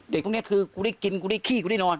พวกนี้คือกูได้กินกูได้ขี้กูได้นอน